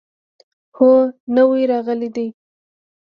هو، نوي راغلي دي